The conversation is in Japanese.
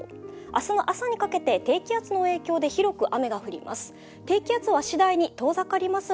明日の朝にかけて低気圧の影響で広く雨が降ります。